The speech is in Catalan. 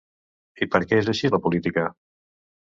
I per què és així la política?